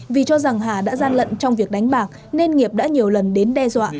vì cho rằng hà đã gian lận trong việc đánh bạc nên nghiệp đã nhiều lần đến đe dọa